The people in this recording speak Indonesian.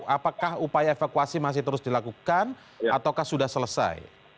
apakah upaya evakuasi masih terus dilakukan ataukah sudah selesai